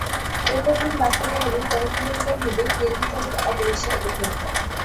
এরপর তিনি বাস থেকে নেমে কয়েক কিলোমিটার হেঁটে সিএনজিচালিত অটোরিকশায় ওঠেন।